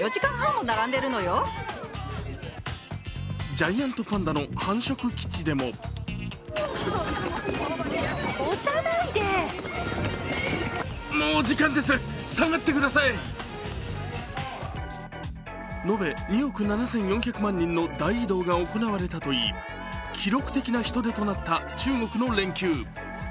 ジャイアントパンダの繁殖基地でも延べ２億７４００万人の大移動が行われたといい、記録的な人出となった中国の連休。